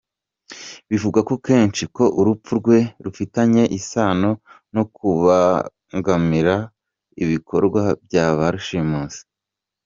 Bivugwa kenshi ko urupfu rwe rufitanye isano no kubangamira ibikorwa bya ba rushimusi .